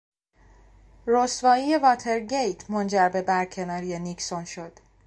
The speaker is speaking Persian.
رسوایی واترگیت منجر به برکناری نیکسون شد.